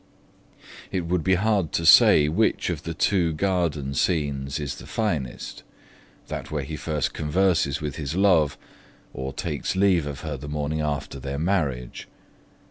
It would be hard to say which of the two garden scenes is the finest, that where he first converses with his love, or takes leave of her the morning after their marriage.